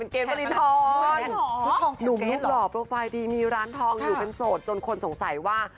เกมวรินทรหนุ่มเนี่ยหล่อโปรไฟล์ดีมีร้านทองอยู่กันโสดจนคนสงสัยว่า